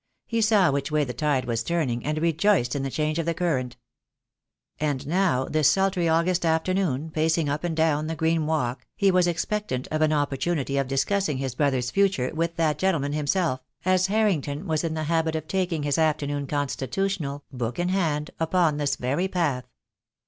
He saw which way the tide was turning, and rejoiced in the change of the current. And now this sultry August afternoon, pacing up and down the green walk, he was expectant of an opportunity of discussing his brother's future with that gentleman himself, as Harrington was in the habit of taking his after noon constitutional, book in hand, upon this very path.